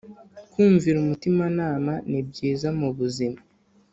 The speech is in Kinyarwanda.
kumvira umutima nama nibyiza mubuzima